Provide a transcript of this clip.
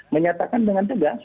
menyatakan dengan tegas